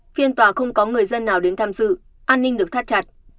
phiên tòa không có người dân nào đến tham dự an ninh được thắt chặt